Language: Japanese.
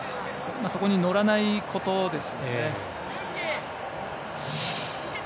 そこに乗らないことですよね。